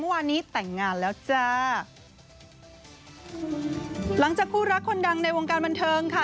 งานนี้แต่งงานแล้วจ้าหลังจากคู่รักคนดังในวงการบันเทิงค่ะ